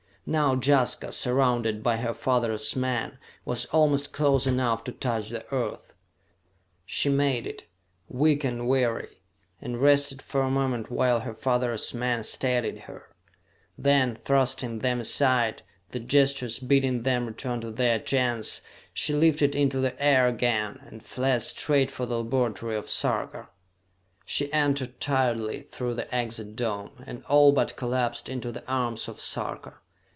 Now Jaska, surrounded by her father's men, was almost close enough to touch the Earth. She made it, weak and weary, and rested for a moment while her father's men steadied her. Then, thrusting them aside, with gestures bidding them return to their Gens, she lifted into the air again, and fled straight for the laboratory of Sarka. She entered tiredly through the exit dome, and all but collapsed into the arms of Sarka.